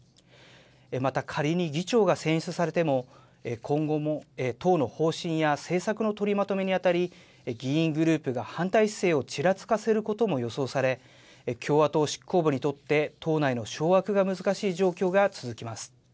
また仮に議長が選出されても、今後も党の方針や政策の取りまとめにあたり、議員グループが反対姿勢をちらつかせることも予想され、共和党執行部にとって党内の掌握が難しい状況が続きます。